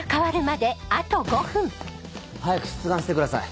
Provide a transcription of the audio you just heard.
早く出願してください